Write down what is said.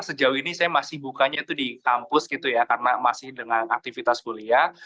sejauh ini saya masih bukanya itu di kampus gitu ya karena masih dengan aktivitas kuliah